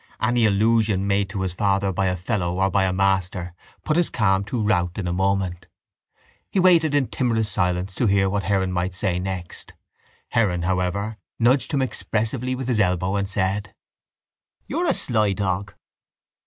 Any allusion made to his father by a fellow or by a master put his calm to rout in a moment. He waited in timorous silence to hear what Heron might say next. Heron, however, nudged him expressively with his elbow and said: —You're a sly dog.